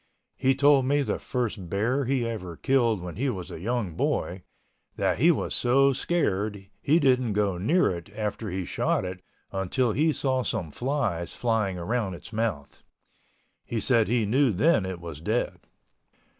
He told me the first bear he ever killed when he was a young boy, that he was so scared he didn't go near it after he shot it until he saw some flies flying around its mouth. He said, he knew then it was dead.